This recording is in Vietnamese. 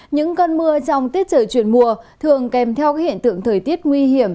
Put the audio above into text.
những cơn mưa trong tiết trời chuyển mùa thường kèm theo các hiện tượng thời tiết nguy hiểm